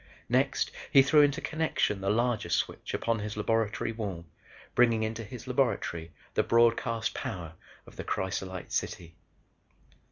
Next he threw into connection the larger switch upon his laboratory wall bringing into his laboratory the broadcast power of the crysolite city.